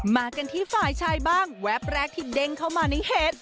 มากันที่ฝ่ายชายบ้างแวบแรกที่เด้งเข้ามาในเหตุ